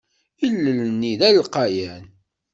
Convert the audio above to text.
Ilel-nni d alqayan.